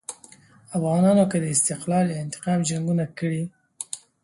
افغانانو که د استقلال یا انتقام جنګونه کړي.